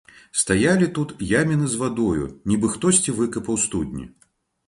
Стаялі тут яміны з вадою, нібы хтосьці выкапаў студні.